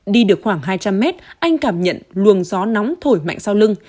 đi được khoảng hai trăm linh mét anh cảm nhận luồng gió nóng thổi mạnh sau lưng